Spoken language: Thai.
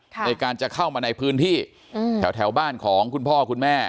ในการจะเข้ามาในพื้นที่แถวบ้านของคุณพ่อคุณแม่